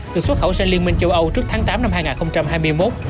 được xuất khẩu sang liên minh châu âu trước tháng tám năm hai nghìn hai mươi một